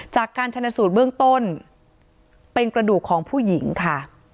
จากการชนสูตรเบื้องต้นเป็นกระดูกของผู้หญิงค่ะ